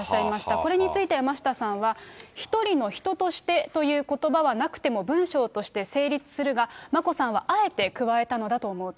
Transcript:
これについて山下さんは、一人の人としてということばはなくても、文章として成立するが、眞子さんはあえて加えたのだと思うと。